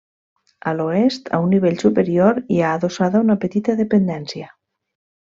A l'oest, a un nivell superior, hi ha adossada una petita dependència.